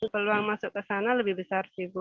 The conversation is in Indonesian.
peluang masuk ke sana lebih besar sih bu